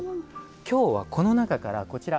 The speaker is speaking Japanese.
今日はこの中からこちら。